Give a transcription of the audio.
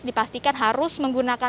dipastikan harus menggunakan masker